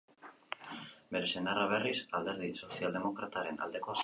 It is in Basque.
Bere senarra, berriz, Alderdi Sozialdemokrataren aldekoa zen.